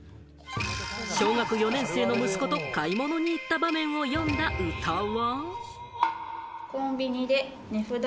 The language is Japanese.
小学４年生の息子と買い物に行った場面を詠んだ歌は。